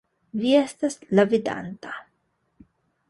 Vi estas la Vidanta!